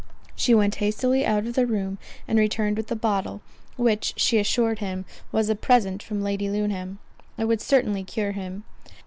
She went hastily out of the room, and returned with a bottle, which, she assured him, "Was a present from Lady Luneham, and would certainly cure him."